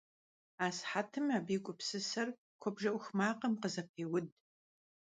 Асыхьэтым абы и гупсысэр куэбжэ Iух макъым къызэпеуд.